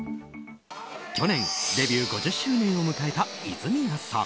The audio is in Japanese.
去年デビュー５０周年を迎えた泉谷さん。